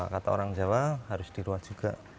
kata orang jawa harus diruat juga